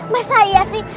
masa ya sih